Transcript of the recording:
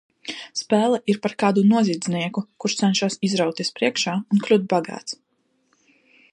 Spēle ir par kādu noziedznieku, kurš cenšas izrauties priekšā un kļūt bagāts.